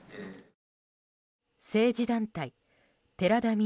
政治団体・寺田稔